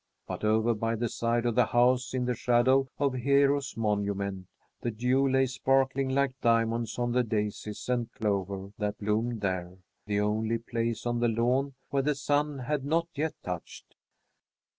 But over by the side of the house, in the shadow of Hero's monument, the dew lay sparkling like diamonds on the daisies and clover that bloomed there the only place on the lawn where the sun had not yet touched.